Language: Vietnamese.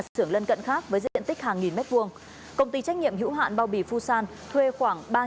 của công ty trách nhiệm hữu hạn